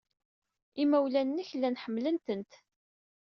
Imawlan-nnek llan ḥemmlen-tent.